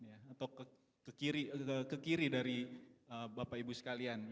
atau ke kiri dari bapak ibu sekalian